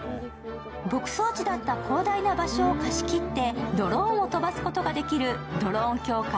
牧草地だった広大な場所を貸し切ってドローンを飛ばすことができるドローン協会